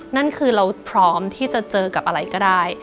นั่นคือเราพร้อมที่จะเจอกับอะไรก็ได้